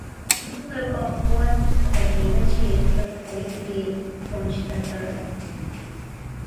دومره په قوت ږغېده چې خپل حریف یې کونج ته کړ.